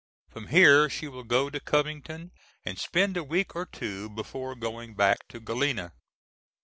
From here she will go to Covington, and spend a week or two before going back to Galena.